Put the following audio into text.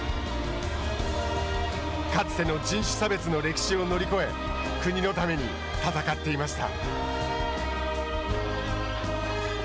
かつての人種差別の歴史を乗り越え国のために戦っていました。